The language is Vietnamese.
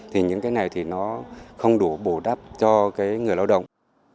thì những cái này thì nó không đủ bổ đáp cho người lao động